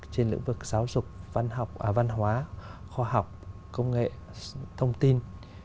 trên lĩnh vực giáo dục văn hóa khoa học công nghệ thông tin